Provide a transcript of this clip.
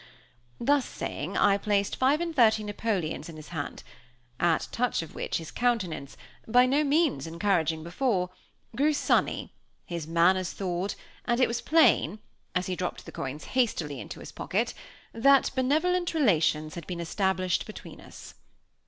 Thus saying, I placed five and thirty Napoleons in his hand: at touch of which his countenance, by no means encouraging before, grew sunny, his manners thawed, and it was plain, as he dropped the coins hastily into his pocket, that benevolent relations had been established between us.